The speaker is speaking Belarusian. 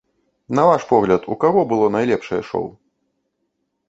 На ваш погляд, у каго было найлепшае шоу?